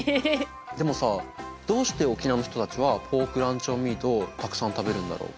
でもさどうして沖縄の人たちはポークランチョンミートをたくさん食べるんだろう？